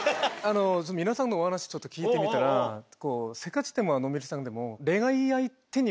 皆さんのお話ちょっと聞いてみたらせっかちでものんびりさんでも。